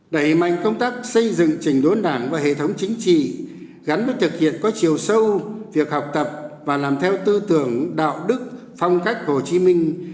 đẩy mạnh công tác xây dựng trình đốn đảng và hệ thống chính trị gắn với thực hiện có chiều sâu việc học tập và làm theo tư tưởng đạo đức phong cách hồ chí minh